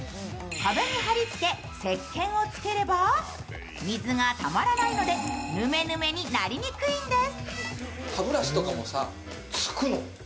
壁に貼り付け石けんをつければ水がたまらないので、ぬめぬめになりにくいんです。